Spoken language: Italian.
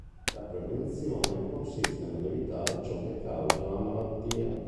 La prevenzione consiste nell'evitare ciò che causa la malattia.